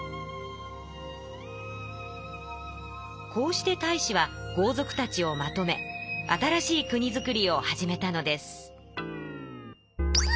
こうして太子は豪族たちをまとめ新しい国づくりを始めたのです。